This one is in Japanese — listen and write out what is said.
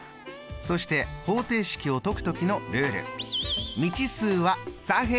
そして方程式を解く時のルール。